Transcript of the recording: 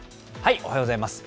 おはようございます。